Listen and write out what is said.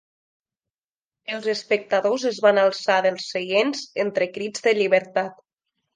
Els espectadors es van alçar dels seients entre crits de ‘llibertat’.